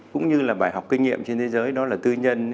cũng như là bài học kinh nghiệm trên thế giới đó là tư nhân